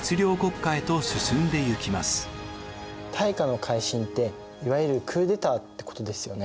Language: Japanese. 大化の改新っていわゆるクーデターってことですよね？